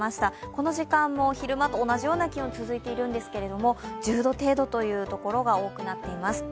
この時間も昼間と同じような気温が続いているんですけども、１０度程度という所が多くなっています。